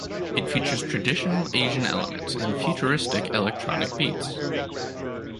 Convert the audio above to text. It features traditional Asian elements and futuristic electronic beats.